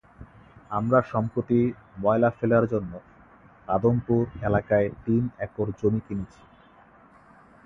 আমরা সম্প্রতি ময়লা ফেলার জন্য আদমপুর এলাকায় তিন একর জমি কিনেছি।